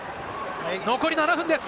残り７分です。